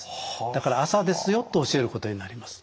だから朝ですよと教えることになります。